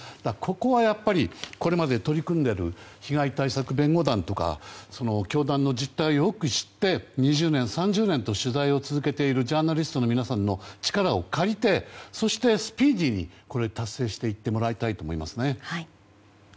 ここはやっぱりこれまで取り組んでいる被害対策弁護団とか教団の実態をよく知って２０年３０年と取材を続けているジャーナリストの皆さんの力も借りてそして、スピーディーに達成していってもらいたいと思いますね。